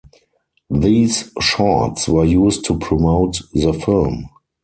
These shorts were used to promote the film.